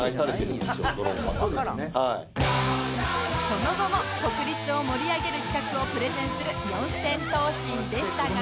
その後も国立を盛り上げる企画をプレゼンする四千頭身でしたが